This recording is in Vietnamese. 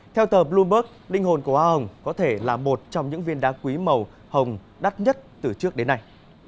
theo tờ bloomberg linh hồn của hoa hồng có thể là một trong những viên đá quý màu hồng đắt nhất từ trước đến nay